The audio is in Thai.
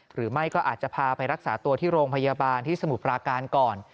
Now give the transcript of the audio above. หรือไม่ก็อาจจะพาไปรักษาตัวที่โรงพยาบาลที่สมุทรปราการก่อน